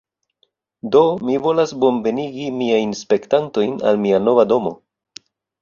Do, mi volas bonvenigi miajn spektantojn al mia nova domo